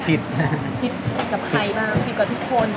ผิดผิดกับใครบ้างผิดกับทุกคน